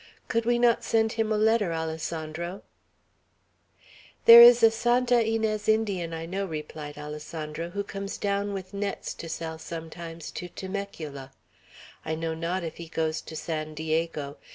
Could we not send him a letter, Alessandro?" "There is a Santa Inez Indian I know," replied Alessandro, "who comes down with nets to sell, sometimes, to Temecula. I know not if he goes to San Diego.